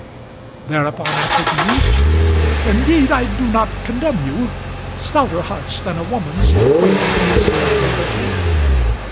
Thereupon answered the youth: "Indeed I do not condemn you; Stouter hearts than a woman's have quailed in this terrible winter.